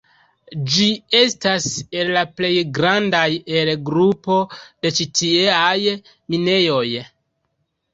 Ĝi estas el la plej grandaj el grupo de ĉi tieaj minejoj.